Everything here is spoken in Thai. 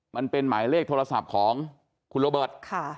มันเป็นหมายเลขโทรศัพท์ของคุณโรเบิร์ต